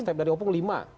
step dari opung lima